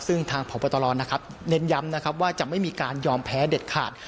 ซึ่งทางพบตรนะครับเน้นย้ำนะครับว่าจะไม่มีการยอมแพ้เด็ดขาด